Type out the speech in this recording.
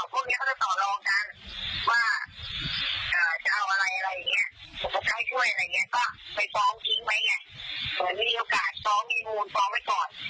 ผมก็ใกล้ช่วยอะไรอย่างเงี้ยก็ไปฟ้องทิ้งไว้เงี้ยเหมือนมีโอกาสฟ้องมีมูลฟ้องไว้ก่อน